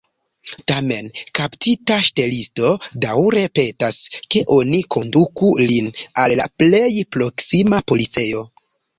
Tamen kaptita ŝtelisto daŭre petas, ke oni konduku lin al la plej proksima policejo.